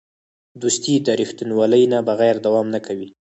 دوستي د رښتینولۍ نه بغیر دوام نه کوي.